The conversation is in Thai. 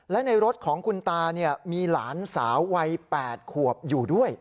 และในรถของคุณตามีหลานสาววัย๘ขวบอยู่ด้วย